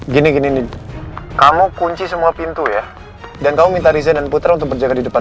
gini gini nih kamu kunci semua pintu ya dan kamu minta riza dan putra untuk berjaga di depan